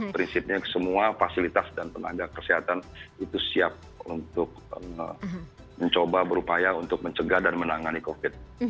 prinsipnya semua fasilitas dan tenaga kesehatan itu siap untuk mencoba berupaya untuk mencegah dan menangani covid